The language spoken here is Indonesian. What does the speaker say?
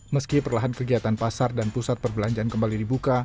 meski perlahan kegiatan pasar dan pusat perbelanjaan kembali dibuka